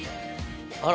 あら！